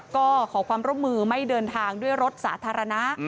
ก็ขอความร่วมมือไม่เดินทางด้วยรถสาธารณะ